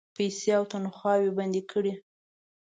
پیسې او تنخواوې بندي کړې.